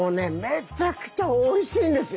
めちゃくちゃおいしいんですよ。